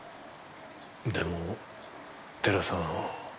でも寺さんを。